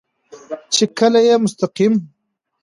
چې کله يې مستقيم